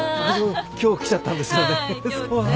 今日来ちゃったんですね。